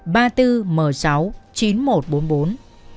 ba tư mờ sáu chín một bốn bốn